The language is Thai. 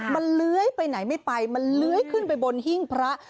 มันเลื้อยไปไหนไม่ไปมันเลื้อยขึ้นไปบนหิ้งพระ